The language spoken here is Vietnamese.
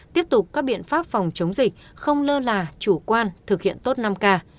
tiếp tục các biện pháp phòng chống dịch không lơ là chủ quan thực hiện tốt năm k